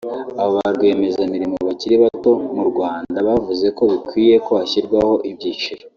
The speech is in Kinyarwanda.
Aba ba rwiyemezamirimo bakiri bato bo mu Rwanda bavuze ko bikwiye ko hashyirwaho ibyiciro